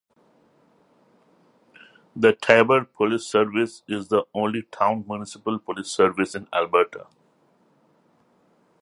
The Taber Police Service is the only town municipal police service in Alberta.